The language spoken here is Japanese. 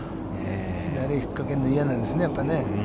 左に引っかけるの、嫌なんだね。